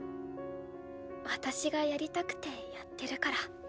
私がやりたくてやってるから。